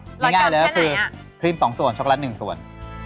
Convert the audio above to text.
๑๐๐กรัมแค่ไหนอ่ะพี่หน้าเลยยีกสิบพิมพ์สองส่วนช็อกโกแลตหนึ่งส่วน